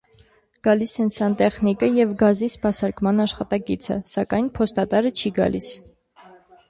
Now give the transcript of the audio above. Գալիս են սանտեխնիկը և գազի սպասարկման աշխատակիցը, սակայն փոստատարը չի գալիս։